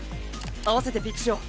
合わせてピークしよう。